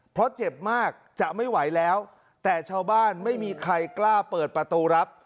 เพราะเจ็บมากจะไม่ไหวแล้วแต่ชาวบ้านไม่มีใครกล้าเปิดประตูรับ